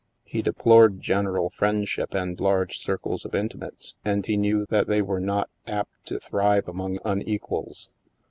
He deplored general friend ship and large circles of intimates; and he knew that they were not apt to thrive among unequals.